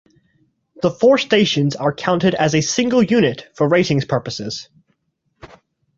The four stations are counted as a single unit for ratings purposes.